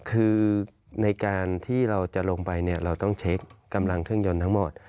คือในการที่เราจะลงไปเนี่ยเราต้องเช็คกำลังเครื่องยนต์ทั้งหมด